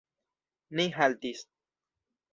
Ni haltis.